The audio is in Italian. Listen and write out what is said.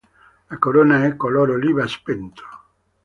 La corona è color oliva spento.